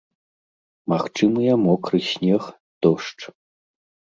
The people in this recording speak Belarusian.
Магчымыя мокры снег, дождж.